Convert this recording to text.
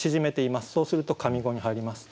そうすると上五に入ります。